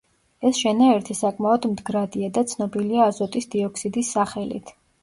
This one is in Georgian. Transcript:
ეს შენაერთი საკმაოდ მდგრადია და ცნობილია აზოტის დიოქსიდის სახელით.